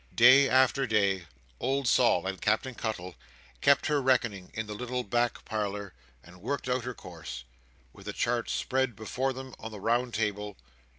Day after day, old Sol and Captain Cuttle kept her reckoning in the little back parlour and worked out her course, with the chart spread before them on the round table.